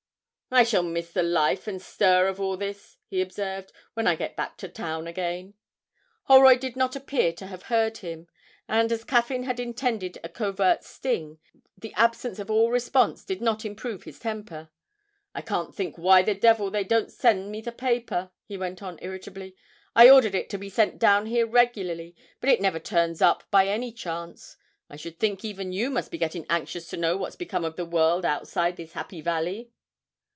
'I shall miss the life and stir of all this,' he observed, 'when I get back to town again.' Holroyd did not appear to have heard him, and, as Caffyn had intended a covert sting, the absence of all response did not improve his temper. 'I can't think why the devil they don't send me the paper,' he went on irritably. 'I ordered it to be sent down here regularly, but it never turns up by any chance. I should think even you must be getting anxious to know what's become of the world outside this happy valley?'